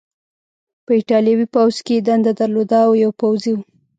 په ایټالوي پوځ کې یې دنده درلودله او یو پوځي و.